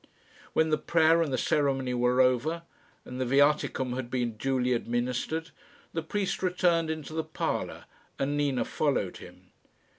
When the prayer and the ceremony were over, and the viaticum had been duly administered, the priest returned into the parlour, and Nina followed him.